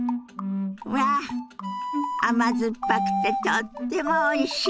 うわ甘酸っぱくてとってもおいしい！